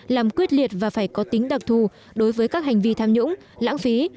làm quyết liệt và phải có tính đặc thù đối với các hành vi tham nhũng lãng phí